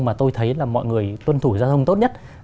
mà tôi thấy là mọi người tuân thủ giao thông tốt nhất